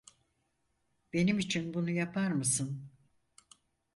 Benim için bunu yapar mısın?